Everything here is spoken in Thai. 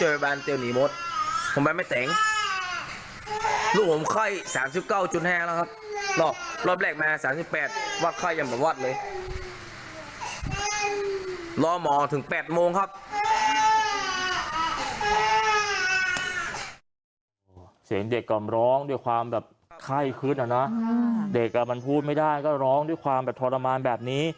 รอหมอถึง๘โมงครับ